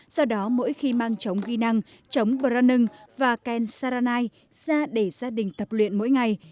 do đó mỗi khi mang chống ghi năng chống branung và ken saranai ra để gia đình tập luyện mỗi ngày